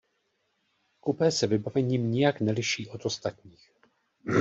Kupé se vybavením nijak neliší od ostatních.